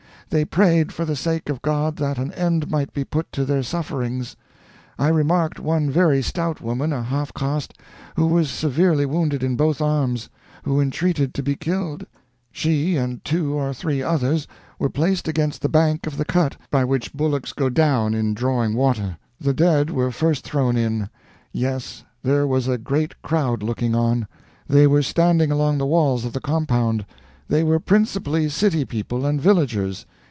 They prayed for the sake of God that an end might be put to their sufferings. I remarked one very stout woman, a half caste, who was severely wounded in both arms, who entreated to be killed. She and two or three others were placed against the bank of the cut by which bullocks go down in drawing water. The dead were first thrown in. Yes: there was a great crowd looking on; they were standing along the walls of the compound. They were principally city people and villagers.